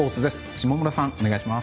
下村さん、お願いします。